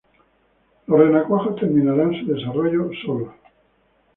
Los renacuajos terminarán su desarrollo solos.